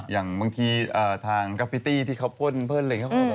อย่างบางทีทางกราฟิตี้ที่เขาพ่นพ่นอะไรอย่างนี้